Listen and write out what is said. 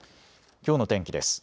きょうの天気です。